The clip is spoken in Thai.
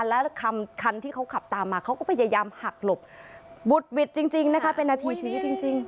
แล้วคันที่เขาขับตามมาเขาก็พยายามหักหลบบุดหวิดจริงนะคะเป็นนาทีชีวิตจริง